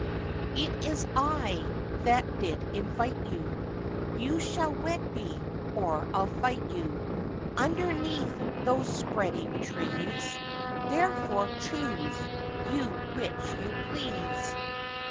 'It is I that did invite you, You shall wed me, or I'll fight you, Underneath those spreading trees; Therefore, choose you which you please.